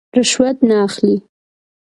رشوت نه اخلي.